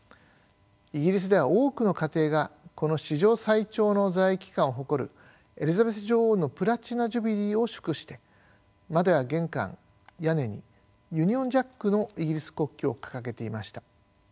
イギリスでは多くの家庭がこの史上最長の在位期間を誇るエリザベス女王のプラチナ・ジュビリーを祝して窓や玄関屋根にユニオン・ジャックのイギリス国旗を掲げていました。